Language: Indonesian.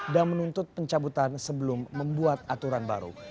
dan menuntut pencabutan sebelum membuat aturan baru